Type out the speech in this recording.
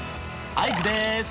アイクです！